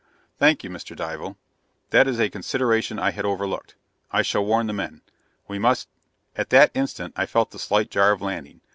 "Thank you, Mr. Dival. That is a consideration I had overlooked. I shall warn the men. We must " At that instant I felt the slight jar of landing.